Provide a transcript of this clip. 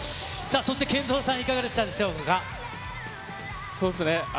そしてＫＥＮＺＯさん、いかがでそうですね。